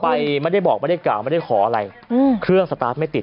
ไปไม่ได้บอกไม่ได้กล่าวไม่ได้ขออะไรอืมเครื่องสตาร์ทไม่ติด